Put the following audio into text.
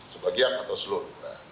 sebagian atau seluruh